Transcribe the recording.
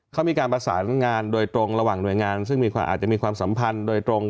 เขามีการประสานงานโดยตรงระหว่างหน่วยงานซึ่งมีความอาจจะมีความสัมพันธ์โดยตรง